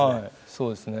そうですね。